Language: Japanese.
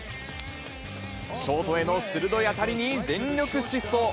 ショートへの鋭い当たりに全力疾走。